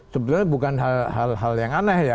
sebenarnya bukan hal hal yang aneh ya